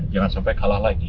jangan sampai kalah lagi